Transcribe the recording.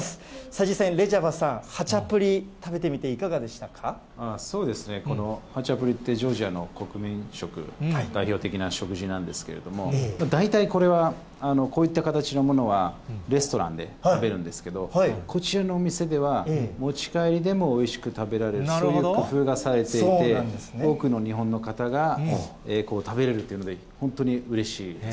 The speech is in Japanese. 実際、レジャバさん、ハチャプリ、そうですね、このハチャプリってジョージの国民食、代表的な食事なんですけれども、大体これは、こういった形のものはレストランで食べるんですけど、こちらのお店では、持ち帰りにもおいしく食べられる、そういう工夫がされていて、多くの日本の方が食べれるというので、本当にうれしいです。